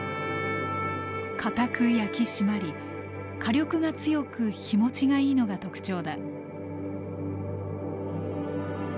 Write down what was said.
固く焼き締まり火力が強く火もちがいいのが特徴だ。